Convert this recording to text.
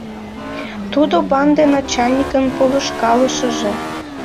Тудо банде начальникын полышкалышыже».